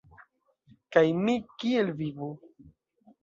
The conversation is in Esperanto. Kaj mi kiel vivu?